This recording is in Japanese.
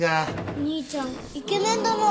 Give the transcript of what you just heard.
兄ちゃんイケメンだな。